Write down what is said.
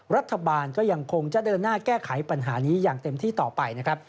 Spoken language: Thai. รัฐบาลก็ยังคงจะเดินหน้าแก้ไขปัญหานี้อย่างเต็มที่ต่อไปนะครับ